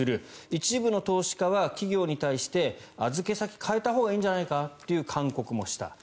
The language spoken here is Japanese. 一部の投資家は企業に対して預け先を変えたほうがいいんじゃないかという勧告もした。